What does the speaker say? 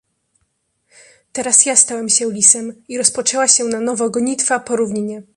"Teraz ja stałem się lisem i rozpoczęła się na nowo gonitwa po równinie."